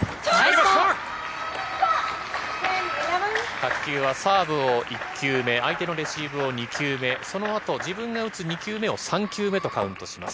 卓球はサーブを１球目相手のレシーブを２球目そのあと、自分が打つ２球目を３球目とカウントします。